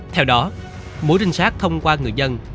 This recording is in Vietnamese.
theo đó mũi trinh sát thông qua người dân